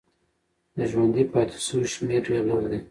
د ژوندي پاتې سویو شمېر ډېر لږ دی.